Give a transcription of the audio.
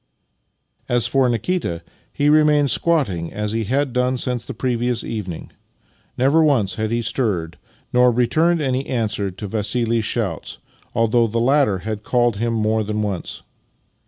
As for Nikita, he remained squatting as he had done since the previous evening. Never once had he stirred, nor returned any answer to Vassili's shouts, although the latter had called to him more than once.